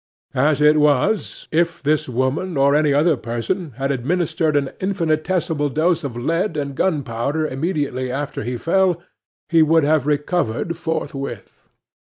As it was, if this woman, or any other person, had administered an infinitesimal dose of lead and gunpowder immediately after he fell, he would have recovered forthwith.